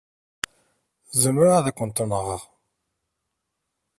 Zemreɣ ad kent-nɣeɣ.